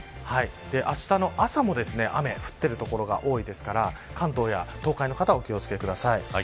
あしたの朝も雨降っている所が多いですから関東や東海の方はお気を付けください。